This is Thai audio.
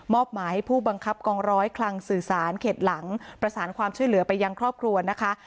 หมายให้ผู้บังคับกองร้อยคลังสื่อสารเข็ดหลังประสานความช่วยเหลือไปยังครอบครัวนะคะ